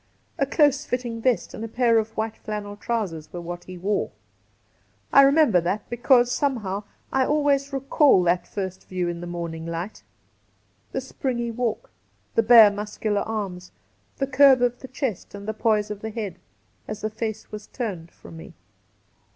A close fitting vest and a pair of white flannel trousers were what he wore. I remember that because, somehow, I always recall that first view in the morning light — the springy walk, the bare muscular arms, the curve of the chest, and the poise of the head, as the face was turned from me.